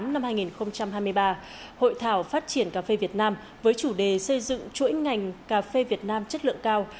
năm hai nghìn hai mươi ba hội thảo phát triển cà phê việt nam với chủ đề xây dựng chuỗi ngành cà phê việt nam chất lượng cao